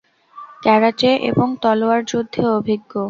Karate এবং তলোয়ার যুদ্ধে অভিজ্ঞ।